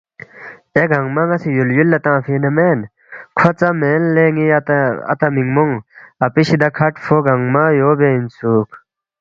اے گنگمہ ن٘ا سی یُول یُول لہ تنگفی اِنا مین؟ کھو ژا مین لے ن٘ی اتا مِنگمونگ اپی شِدیا کھڈفو گنگمہ یو بے اِنسُوک